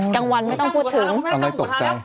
กลางวันไม่ต้องพูดถึงเอาไงตกจัง